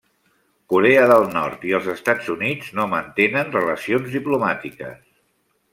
Corea del Nord i els Estats Units no mantenen relacions diplomàtiques.